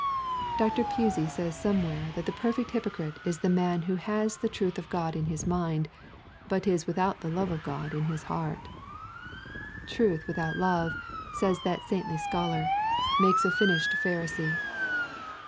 Dr. Pusey says somewhere that the perfect hypocrite is the man who has the truth of God in his mind, but is without the love of God in his heart. 'Truth without love,' says that saintly scholar, 'makes a finished Pharisee.'